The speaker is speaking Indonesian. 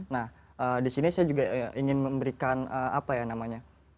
nah di sini saya juga ingin memberikan apa ya namanya